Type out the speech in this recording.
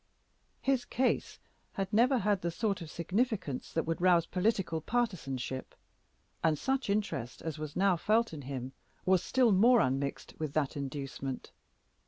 His case had never had the sort of significance that could rouse political partisanship; and such interest as was now felt in him was still more unmixed with that inducement.